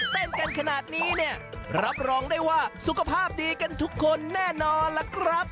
เต้นกันขนาดนี้เนี่ยรับรองได้ว่าสุขภาพดีกันทุกคนแน่นอนล่ะครับ